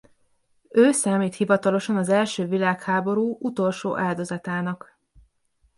Ő számít hivatalosan az első világháború utolsó áldozatának.